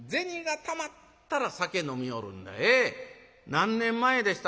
何年前でしたかな